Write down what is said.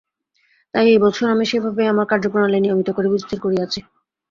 তাই এ বৎসর আমি সেই ভাবেই আমার কার্যপ্রণালী নিয়মিত করিব, স্থির করিয়াছি।